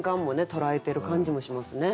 捉えてる感じもしますね。